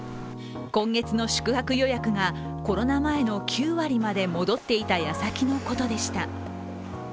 今月の宿泊予約がコロナ前の９割まで戻っていた矢先のことでした。